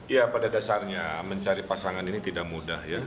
ya pada dasarnya mencari pasangan ini tidak mudah ya